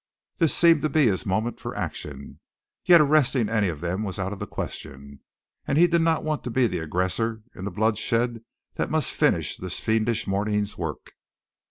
This seemed to be his moment for action, yet arresting any of them was out of the question, and he did not want to be the aggressor in the bloodshed that must finish this fiendish morning's work.